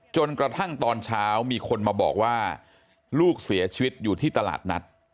จนกระทั่งตอนเช้ามีคนมาบอกว่าลูกเสียชีวิตอยู่ที่ตลาดนัด